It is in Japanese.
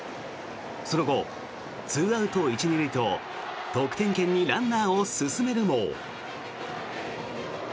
その後、２アウト１・２塁と得点圏にランナーを進めるも。